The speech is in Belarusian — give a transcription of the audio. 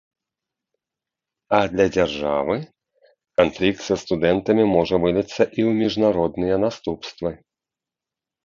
А для дзяржавы канфлікт са студэнтамі можа выліцца і ў міжнародныя наступствы.